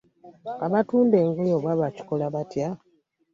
Abatunda engoye oba bakikola batya.